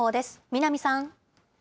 南さん。